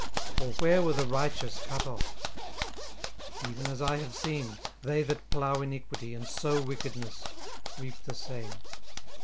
or where were the righteous cut off? 18:004:008 Even as I have seen, they that plow iniquity, and sow wickedness, reap the same.